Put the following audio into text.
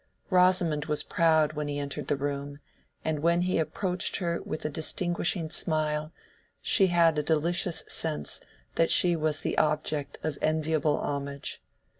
Rosamond was proud when he entered the room, and when he approached her with a distinguishing smile, she had a delicious sense that she was the object of enviable homage.